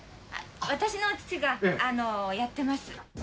私の父がやってます。